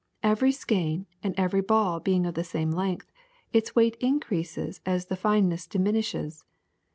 Every skein and every ball being of the same length, its weight increases as the fineness diminishes.